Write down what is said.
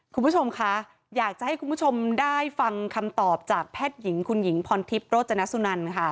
คุณผู้ชมคะอยากจะให้คุณผู้ชมได้ฟังคำตอบจากแพทย์หญิงคุณหญิงพรทิพย์โรจนสุนันค่ะ